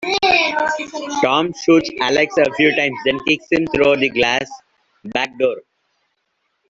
Tom shoots Alex a few times, then kicks him through the glass back door.